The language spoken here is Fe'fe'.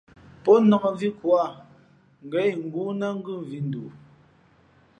Pō nāk mvi ko ǎ, ngα̌ ingóó ná ngʉ mvī ndoo.